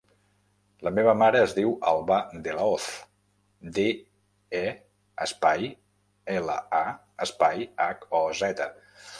La meva mare es diu Albà De La Hoz: de, e, espai, ela, a, espai, hac, o, zeta.